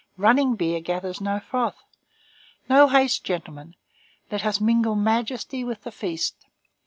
Running beer gathers no froth. No haste, gentlemen. Let us mingle majesty with the feast.